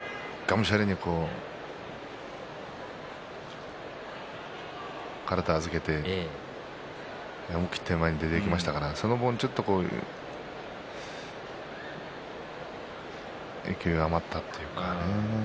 王鵬は、がむしゃらに体、預けて思い切って前に出ていきましたからその分ちょっと勢い余ったというかね。